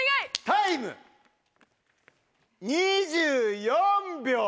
タイム２４秒。